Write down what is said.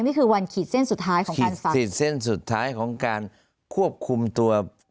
นี่คือวันขีดเส้นสุดท้ายของการฟังขีดเส้นสุดท้ายของการควบคุมตัว